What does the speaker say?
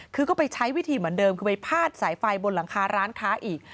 คือก็ไปใช้วิธีเหมือนเดิมคือไปพาดสายไฟบนหลังคาร้านค้าอีก